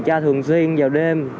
kiểm tra thường xuyên vào đêm